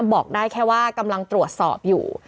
บอกได้แค่ว่ากำลังตรวจสอบอยู่